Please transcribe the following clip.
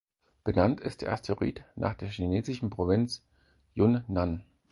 Benannt ist der Asteroid nach der chinesischen Provinz Yunnan.